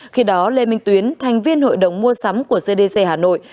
khi đó lê minh tuyến thành viên hội đồng mua sắm của cdc hà nội